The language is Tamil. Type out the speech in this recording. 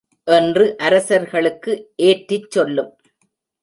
என்று அரசர்களுக்கு ஏற்றிச் சொல்லும்.